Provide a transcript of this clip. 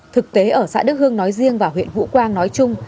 thực tế ở xã đức hương nói riêng và huyện vũ quang nói chung